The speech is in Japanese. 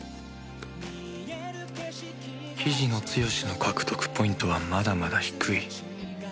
雉野つよしの獲得ポイントはまだまだ低い